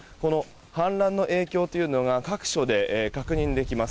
氾濫の影響というのが各所で確認できます。